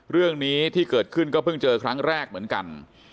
เรื่องนี้ที่เกิดขึ้นก็เพิ่งเจอครั้งแรกเหมือนกัน